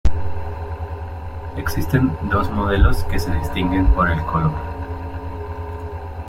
Existen dos modelos que se distinguen por el color.